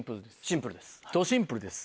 どシンプルです。